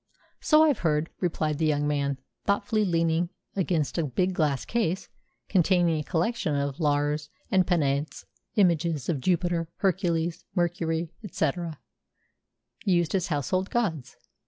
"So I've heard," replied the young man thoughtfully, leaning against a big glass case containing a collection of lares and penates images of Jupiter, Hercules, Mercury, &c., used as household gods.